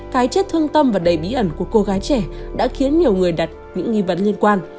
cái chết thương tâm và đầy bí ẩn của cô gái trẻ đã khiến nhiều người đặt những nghi vấn liên quan